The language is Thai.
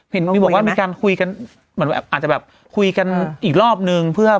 เห็นมีบอกว่ามีการคุยกันเหมือนแบบอาจจะแบบคุยกันอีกรอบนึงเพื่อ